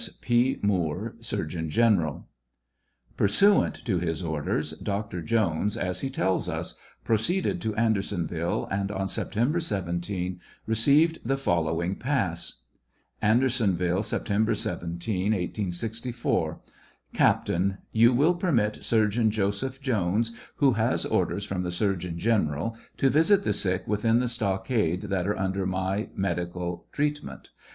S. P. MOOKE, Surgeon General. Pursuant to his orders. Dr. Jones, as he tells us, proceeded to Andersonville, and on September 17 received the following pass : Andersonville, September 17, 1864. Captain : You will permit Surgeon Joseph Jones, who has orders from the surgeon general, to visit the sick within the stockade that are under my medical treatment.